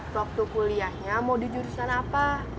waktu kuliahnya mau di jurusan apa